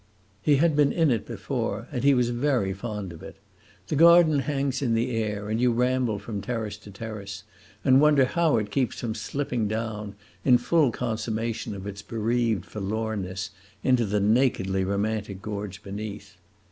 He had been in it before, and he was very fond of it. The garden hangs in the air, and you ramble from terrace to terrace and wonder how it keeps from slipping down, in full consummation of its bereaved forlornness, into the nakedly romantic gorge beneath.